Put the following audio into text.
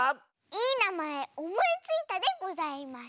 いいなまえおもいついたでございます。